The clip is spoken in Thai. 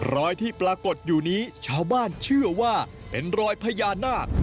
รอยที่ปรากฏอยู่นี้ชาวบ้านเชื่อว่าเป็นรอยพญานาค